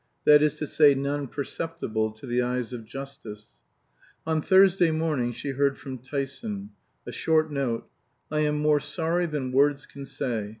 That is to say, none perceptible to the eyes of Justice. On Thursday morning she heard from Tyson. A short note: "I am more sorry than words can say.